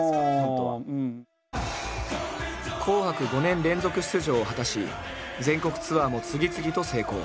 「紅白」５年連続出場を果たし全国ツアーも次々と成功。